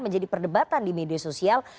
menjadi perdebatan di media sosial